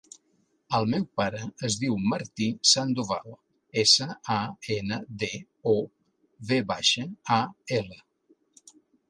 El meu pare es diu Martí Sandoval: essa, a, ena, de, o, ve baixa, a, ela.